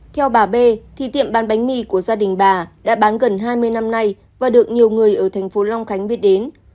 theo bà b thì tiệm bán bánh mì của gia đình bà đã bán gần hai mươi năm nay và được nhiều người ở thành phố long khánh biết đến